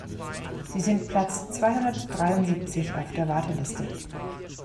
Sie sind Platz zweihundertdreiundsiebzig auf der Warteliste.